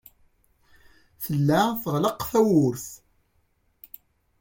Tella teɣleq tewwurt.